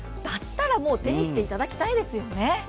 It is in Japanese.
だったら、もう手にしていただきたいですよね。